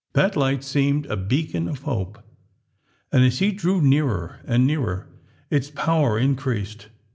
That light seemed a beacon of hope; and as he drew nearer and nearer, its power increased.